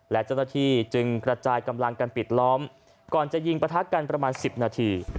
และเจ้าหน้าที่จึงกระจายกำลังกันปิดล้อมก่อนจะยิงประทักกันประมาณ๑๐นาที